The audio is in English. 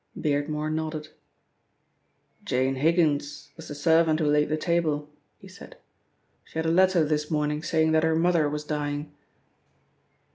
Beardmore nodded. "Jane Higgins was the servant who laid the table," he said. "She had a letter this morning saying that her mother was dying."